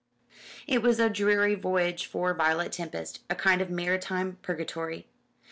It was a dreary voyage for Violet Tempest a kind of maritime purgatory.